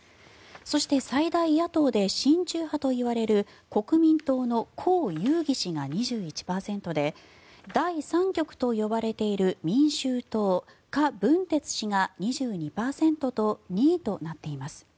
そして最大野党で親中派といわれる国民党のコウ・ユウギ氏が２１％で第３極と呼ばれている民衆党、カ・ブンテツ氏が２２％と２位となっています。